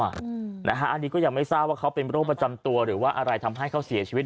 อันนี้ก็ยังไม่ทราบว่าเขาเป็นโรคประจำตัวหรือว่าอะไรทำให้เขาเสียชีวิต